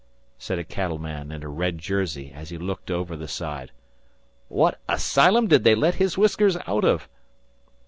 said a cattle man in a red jersey as he looked over the side. "What asylum did they let His Whiskers out of?"